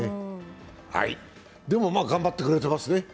でも頑張ってくれてますね。